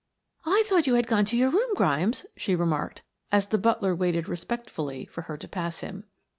"I thought you had gone to your room, Grimes," she remarked, as the butler waited respectfully for her to pass him.